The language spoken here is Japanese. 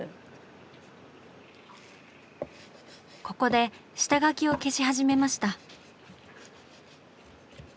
ここで下描きを消し始めました。